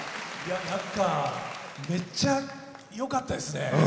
やっぱめっちゃよかったですね。